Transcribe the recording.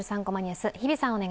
３コマニュース」、日比さん